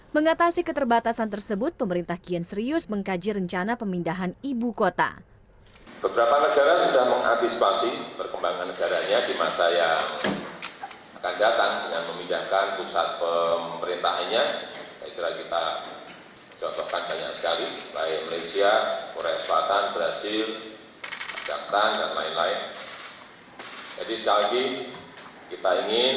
mengatasi keterbatasan tersebut pemerintah kian serius mengkaji rencana pemindahan ibu kota